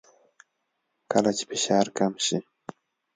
کله چې فشار کم شي